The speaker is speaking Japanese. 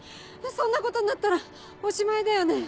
そんなことんなったらおしまいだよね。